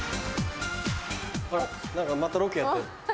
あら何かまたロケやってる。